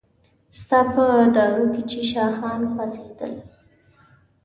ستا په دارو کې چې شاهان خوځیدل